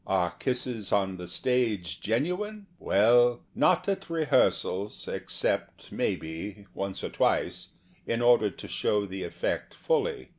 Are kisses on the stage genuine ? Well, not at rehearsals, except, maybe, once or twice, in order to show the effect fully.